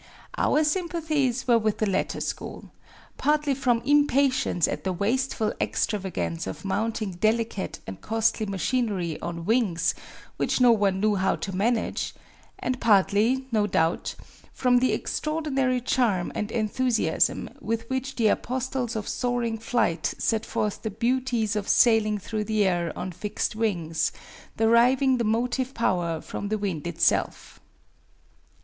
Our sympathies were with the latter school, partly from impatience at the wasteful extravagance of mounting delicate and costly machinery on wings which no one knew how to manage, and partly, no doubt, from the extraordinary charm and enthusiasm with which the apostles of soaring flight set forth the beauties of sailing through the air on fixed wings, deriving the motive power from the wind itself.